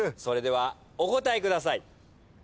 それではお答えください。